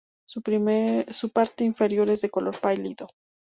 Su parte inferior es de color pálido.